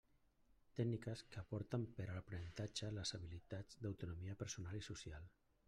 Tècniques que aporten per a l'aprenentatge de les habilitats d'autonomia personal i social.